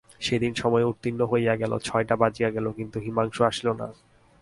সেদিন সময় উত্তীর্ণ হইয়া গেল, ছয়টা বাজিয়া গেল, কিন্তু হিমাংশু আসিল না।